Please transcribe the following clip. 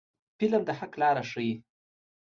فلم د حق لاره ښيي